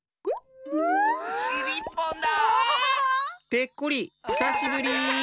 ペッコリひさしぶり。